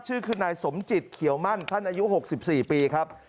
ชื่อคือนายสมจิตเขียวมั่นท่านอายุ๖๔ปีครับ